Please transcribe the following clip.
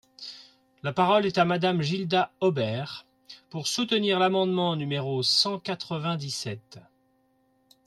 La parole est à Madame Gilda Hobert, pour soutenir l’amendement numéro cent quatre-vingt-dix-sept.